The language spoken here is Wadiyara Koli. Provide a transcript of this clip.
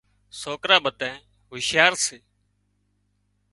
سوڪران ٻڌانئين هوشيار سي